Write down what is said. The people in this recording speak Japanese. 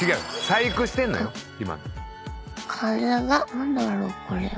細工してんのよ今。